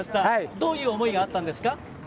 どういう思いがあったんですか？